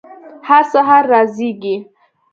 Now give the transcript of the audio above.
هر سهار را زیږي